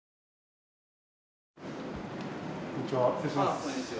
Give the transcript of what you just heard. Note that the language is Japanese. こんにちは。